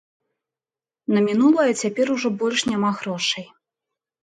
На мінулае цяпер ужо больш няма грошай.